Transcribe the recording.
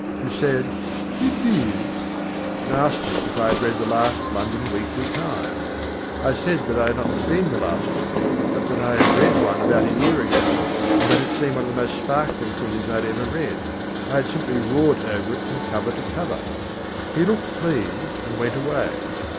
He said "indeed," and asked me if I had read the last London Weekly Times. I said that I had not seen the last one; but that I had read one about a year ago and that it seemed one of the most sparkling things I had ever read; I had simply roared over it from cover to cover. He looked pleased and went away.